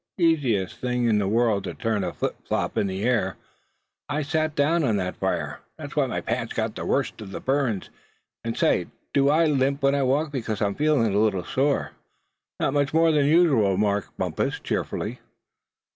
Easiest thing in the world to turn a flip flap in the air. I sat down in that fire; that's why my pants got the worst of the burns. And say, do I limp when I walk, because I'm feeling a little sore?" "Not much more'n usual," remarked Bumpus, cheerfully.